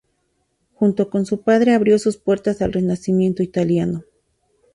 Junto con su padre, abrió sus puertas al Renacimiento italiano.